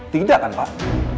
tidak kan pak